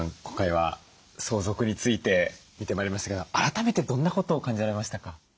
今回は相続について見てまいりましたけど改めてどんなことを感じられましたか？